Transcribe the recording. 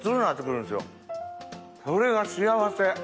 それが幸せ。